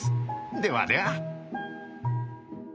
ではでは。